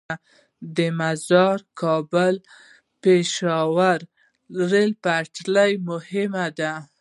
د مزار - کابل - پیښور ریل پټلۍ مهمه ده